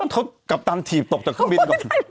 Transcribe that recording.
เธอกัปตันถีบตกจากข้างบิน